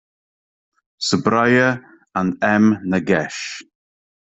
Subraya and M. Nagesh.